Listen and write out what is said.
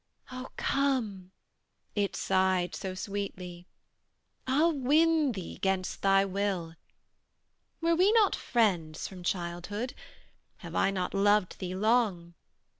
"O come!" it sighed so sweetly; "I'll win thee 'gainst thy will. "Were we not friends from childhood? Have I not loved thee long?